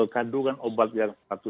kandungan obat yang